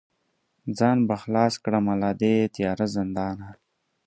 ځان به خلاص کړمه له دې تیاره زندانه